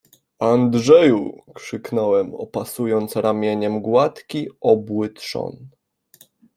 — Andrzeju! — krzyknąłem, opasując ramieniem gładki, obły trzon.